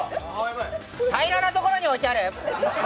平らなところにおいてある。